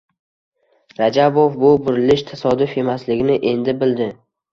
Rajabov bu burilish tasodif emasligini endi bildi.